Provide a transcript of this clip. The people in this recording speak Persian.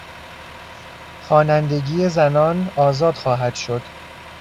خوانندگی زنان آزاد خواهد شد